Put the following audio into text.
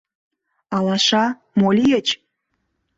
— Алаша, мо лийыч?..